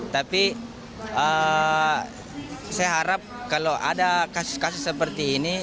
tapi saya harap kalau ada kasus kasus seperti ini